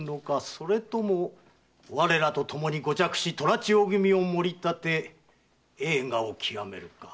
それとも我らと共にご嫡子・虎千代君を守り立て栄華を極めるか。